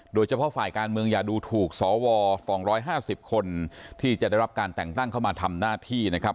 โดยเฉพาะฝ่ายการเมืองอย่าดูถูกสว๒๕๐คนที่จะได้รับการแต่งตั้งเข้ามาทำหน้าที่นะครับ